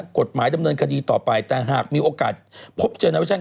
กฎหมายดำเนินคดีต่อไปแต่หากมีโอกาสพบเจอนาวิชั่น